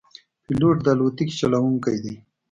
پیلوټ د الوتکې چلوونکی دی.